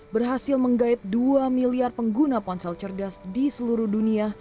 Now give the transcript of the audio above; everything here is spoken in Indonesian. berhasil menggait dua miliar pengguna ponsel cerdas di seluruh dunia